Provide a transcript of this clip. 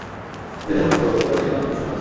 বেদের অনেক পরবর্তী পুরাণে এই নরকের প্রসঙ্গ আছে।